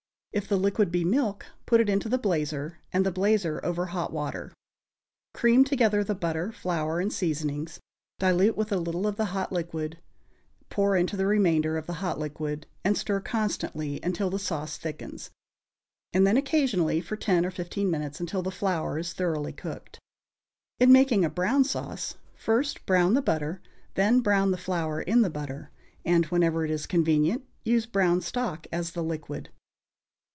If the liquid be milk, put it into the blazer, and the blazer over hot water; cream together the butter, flour and seasonings, dilute with a little of the hot liquid, pour into the remainder of the hot liquid, and stir constantly until the sauce thickens, and then occasionally for ten or fifteen minutes, until the flour is thoroughly cooked. In making a brown sauce, first brown the butter, then brown the flour in the butter, and, whenever it is convenient, use brown stock as the liquid.